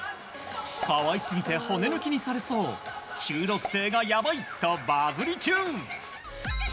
可愛すぎて骨抜きにされそう中毒性がやばいとバズり中！